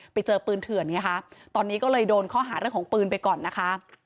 ไปเจอปืนเถื่อนไงคะตอนนี้ก็เลยโดนข้อหาเรื่องของปืนไปก่อนนะคะ